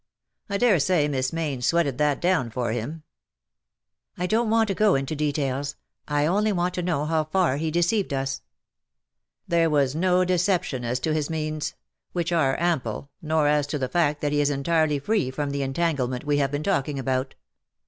I dare say Miss jNIayne sweated that down for him !'*'^ I don't want to go into details — I only want to know how far he deceived us ?"*' There was no deception as to his means — which are ample — nor as to the fact that he is entirely free from the entanglement we have been talking about.